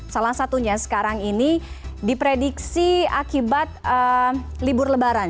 salah satunya sekarang ini diprediksi akibat libur lebaran